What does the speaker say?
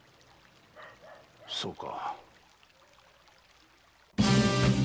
そうか。